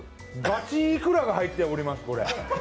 ガチいくらが入っております、これ。